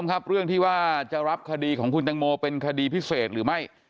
ครับเรื่องที่ว่าจะรับคดีของคุณตังโมเป็นคดีพิเศษหรือไม่